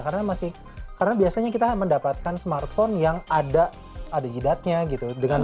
karena masih karena biasanya kita mendapatkan smartphone yang ada jidatnya gitu